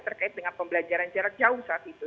terkait dengan pembelajaran jarak jauh saat itu